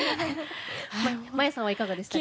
ＭＡＹＡさんはいかがでしたか？